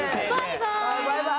バイバイ！